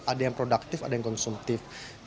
ada yang produktif ada yang konsumtif